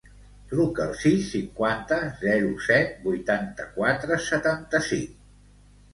Truca al sis, cinquanta, zero, set, vuitanta-quatre, setanta-cinc.